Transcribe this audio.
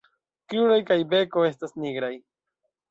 Kruroj kaj beko estas nigraj.